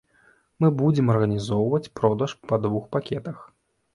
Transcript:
Мы будзем арганізоўваць продаж па двух пакетах.